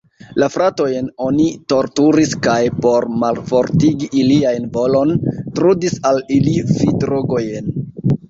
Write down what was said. La fratojn oni torturis kaj, por malfortigi ilian volon, trudis al ili fidrogojn.